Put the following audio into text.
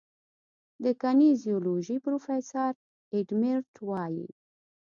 د کینیزیولوژي پروفیسور ایډ میرټ وايي